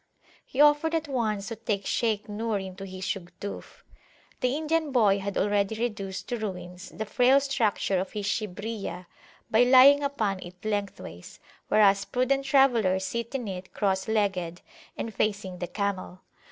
He offered at once to take Shaykh Nur into his Shugduf. The Indian boy had already reduced to ruins the frail structure of his Shibriyah by lying upon it lengthways, whereas prudent travellers sit in it cross legged and facing the camel.